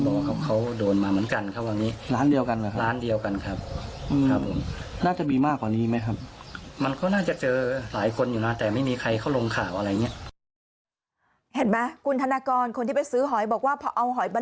พอเอาหอยมาลวกแล้วมันมีกลิ่นโพย